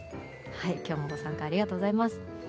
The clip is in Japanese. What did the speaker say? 今日もご参加ありがとうございます。